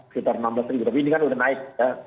sekitar enam belas ribu tapi ini kan udah naik